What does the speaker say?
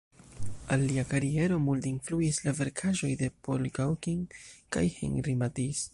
Al lia kariero multe influis la verkaĵoj de Paul Gauguin kaj Henri Matisse.